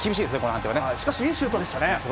しかしいいシュートでしたね。